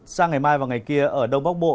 sang ngày mai và ngày kia ở đông bắc bộ